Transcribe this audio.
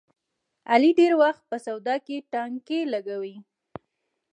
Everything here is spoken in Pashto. علي ډېری وخت په سودا کې ټانګې لګوي.